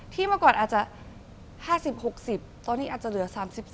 เมื่อก่อนอาจจะ๕๐๖๐ตอนนี้อาจจะเหลือ๓๒